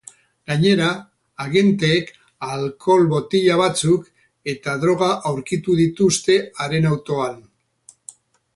Gainera, agenteek alkohol-botila batzuk eta droga aurkitu dituzte haren autoan.